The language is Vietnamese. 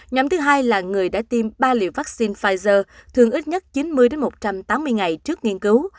nhóm thứ hai là người đã tiêm ba liều vắc xin pfizer thường ít nhất chín mươi đến một trăm tám mươi ngày trước nghiên cứu